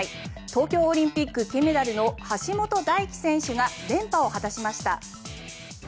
東京オリンピック金メダルの橋本大輝選手が連覇を果たしました。